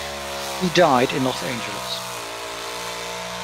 He died in Los Angeles.